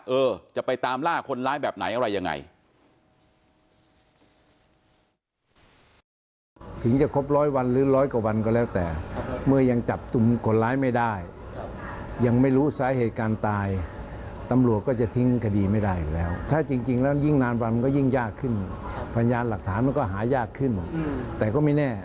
เออจะไปตามล่าคนร้ายแบบไหนอะไรยังไง